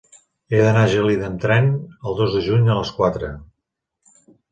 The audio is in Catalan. He d'anar a Gelida amb tren el dos de juny a les quatre.